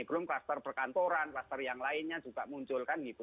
belum klaster berkantoran klaster yang lainnya juga muncul kan gitu